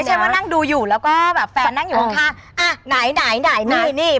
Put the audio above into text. ฉันว่านั่งดูอยู่แล้วก็แบบแฟนนั่งอยู่ข้างข้างอ่ะไหนไหนนี่